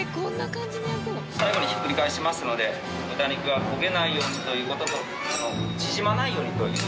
最後にひっくり返しますので豚肉が焦げないようにという事と縮まないようにという。